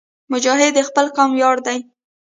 مجاهد د خپل قوم ویاړ دی.